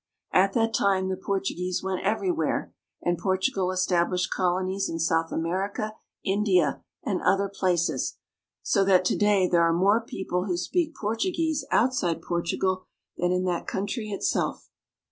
At that time the Portuguese went everywhere, and Portu gal established colonies in South America, India, and other places, so that to day there are more people who speak Portuguese outside Portugal than in that country itself.